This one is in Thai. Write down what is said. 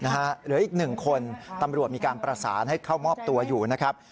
เหลืออีก๑คนตำรวจมีการประสานให้เข้ามอบตัวอยู่นะครับ